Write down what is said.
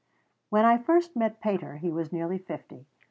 When I first met Pater he was nearly fifty.